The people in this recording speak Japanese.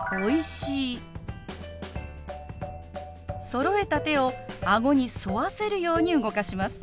そろえた手を顎に沿わせるように動かします。